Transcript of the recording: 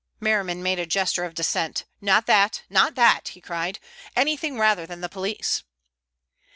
Merriman made a gesture of dissent. "Not that, not that," he cried. "Anything rather than the police."